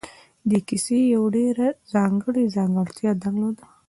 دې کيسې يوه ډېره ځانګړې ځانګړتيا درلوده.